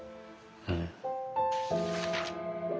うん。